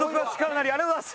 ありがとうございます！